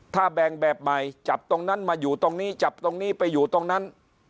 ถ้าแบ่งแบบใหม่จับตรงนั้นมาอยู่ตรงนี้จับตรงนี้ไปอยู่ตรงนั้น